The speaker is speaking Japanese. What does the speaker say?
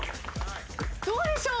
どうでしょう？